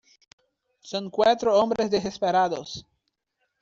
Son cuatro hombres desesperados.